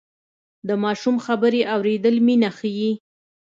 د ماشوم خبرې اورېدل مینه ښيي.